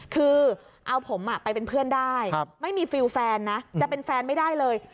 คือเอาผมไปเป็นเพื่อนได้ไม่มีฟิลแฟนนะจะเป็นแฟนไม่ได้เลย